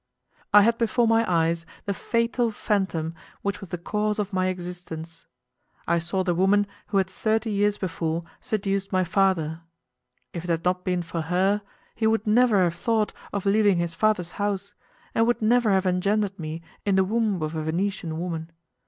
I had before my eyes the fatal phantom which was the cause of my existence. I saw the woman who had thirty years before, seduced my father: if it had not been for her, he would never have thought of leaving his father's house, and would never have engendered me in the womb of a Venetian woman.